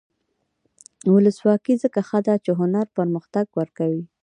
ولسواکي ځکه ښه ده چې هنر پرمختګ ورکوي.